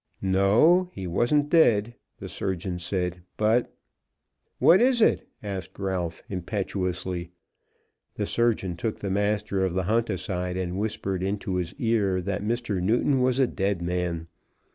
"No; he wasn't dead," the surgeon said; "but ." "What is it?" asked Ralph, impetuously. The surgeon took the master of the hunt aside and whispered into his ear that Mr. Newton was a dead man.